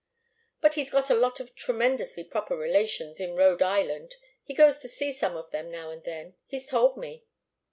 But he's got a lot of tremendously proper relations in Rhode Island. He goes to see some of them now and then. He's told me."